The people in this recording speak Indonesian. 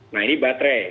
nah ini baterai